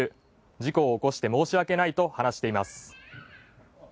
事故を起こして申し訳ないと話しています。